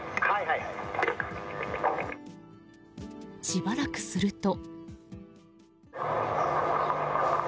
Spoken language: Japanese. しばらくすると。